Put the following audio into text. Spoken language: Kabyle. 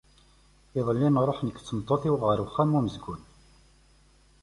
Iḍelli nruḥ nekk d tmeṭṭut-iw ɣer uxxam umezgun.